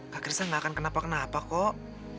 kak krishna gak akan kenapa kenapa kok